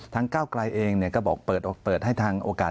ก้าวไกลเองก็บอกเปิดให้ทางโอกาส